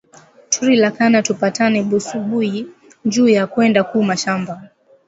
Turi lakana tupatane busubuyi njuya kwenda ku mashamba